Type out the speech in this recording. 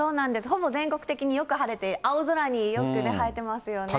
ほぼ全国的によく晴れて、青空によく映えてますよね。